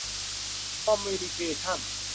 คอมมิวนิเคชั่น